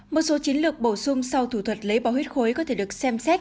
một số chiến lược bổ sung sau thủ thuật lấy bò huyết khối có thể được xem xét